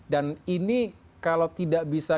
dan ini kalau tidak bisa